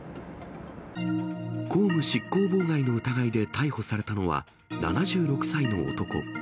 公務執行妨害の疑いで逮捕されたのは、７６歳の男。